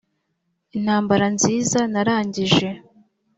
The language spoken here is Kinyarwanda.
intambara nziza narangije